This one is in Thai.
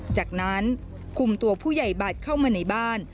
จากนั้นคุมตัวผู้ใหญ่บัตรเข้ามาในบ้าน